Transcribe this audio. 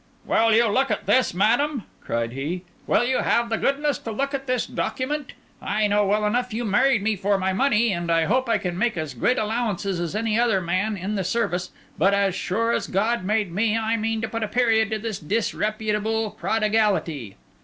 "Will you look at this, madam?" cried he. "Will you have the goodness to look at this document? I know well enough you married me for my money, and I hope I can make as great allowances as any other man in the service; but, as sure as God made me, I mean to put a period to this disreputable prodigality."